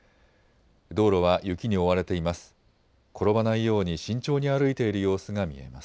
道路は雪に覆われています。